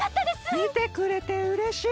みてくれてうれしい！